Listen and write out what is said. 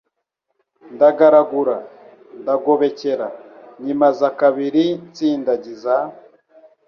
Ndagaragura, ndagobekera, Nyimaza kabiri nsindagiza,